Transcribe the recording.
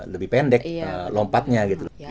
lebih pendek lompatnya gitu